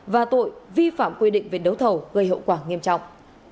và tội vi phạm quy định về đấu thầu gây hậu quả nghiêm trọng